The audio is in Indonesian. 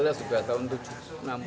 itu sudah tahun tujuh puluh enam